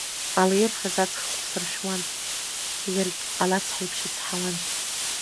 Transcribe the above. Ала ирфаз аҵх қәсыршәуан, иаргь алацҳаиԥш ицҳауан.